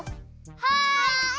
はい！